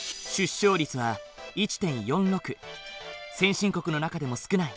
先進国の中でも少ない。